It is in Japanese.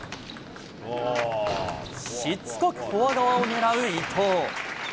しつこくフォア側を狙う伊藤。